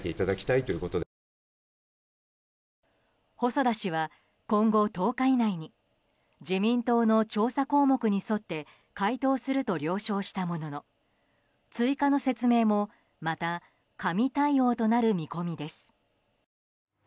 細田氏は今後１０日以内に自民党の調査項目に沿って回答すると了承したものの追加の説明もまた紙対応となる見込みです。